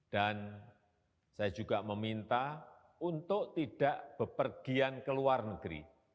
dan saya juga meminta untuk tidak bepergian ke luar negeri